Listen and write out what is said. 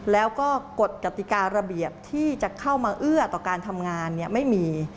แล้วก็กฎกติการะเบียบที่จะเข้ามาเอื้อต่อการทำงานไม่มี